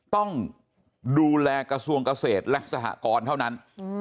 ต้องดูแลกระทรวงเกษตรและสหกรเท่านั้น